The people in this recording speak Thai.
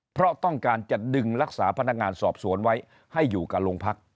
เพราะต้องการจะดึงรักษาพนักงานสอบสวนไว้ให้อยู่กับโรงพัก